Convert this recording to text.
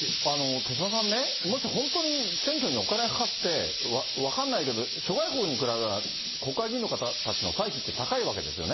手嶋さんね、もし本当に選挙にお金がかかって、分かんないけど、諸外国に比べれば、国会議員の方たちの歳費って高いわけですよね。